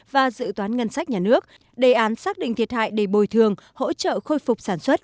và dự toán ngân sách nhà nước đề án xác định thiệt hại để bồi thường hỗ trợ khôi phục sản xuất